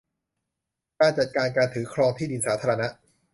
การจัดการการถือครองที่ดินสาธารณะ